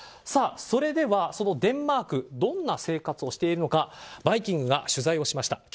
それでは、そのデンマークどんな生活をしているのか「バイキング」が取材をしました。